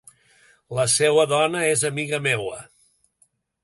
La seua dona és amiga meua.